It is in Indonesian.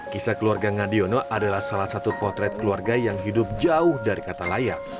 kisah keluarga ngadiono adalah salah satu potret keluarga yang hidup jauh dari kata layak